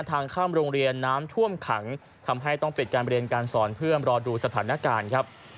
ทางข้ามโรงเรียนน้ำท่วมขังทำให้ต้องปิดการเรียนการสอนเพื่อรอดูสถานการณ์ครับ